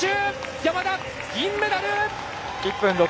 山田、銀メダル！